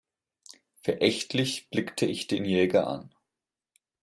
Verächtlich blickte ich den Jäger an.